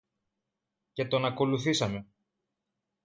Και τον ακολουθήσαμε.